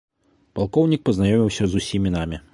Палкоўнік пазнаёміўся з усімі намі.